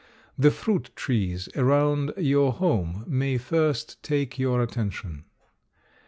The fruit trees around your home may first take your attention.